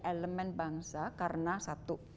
elemen bangsa karena satu